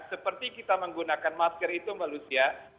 seperti kita menggunakan masker itu mbak lucia